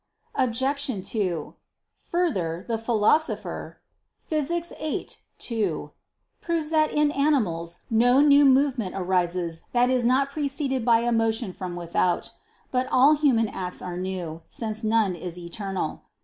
Obj. 2: Further, the Philosopher (Phys. viii, 2) proves that in animals no new movement arises that is not preceded by a motion from without. But all human acts are new, since none is eternal.